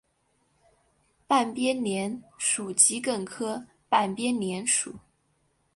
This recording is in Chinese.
半边莲属桔梗科半边莲属。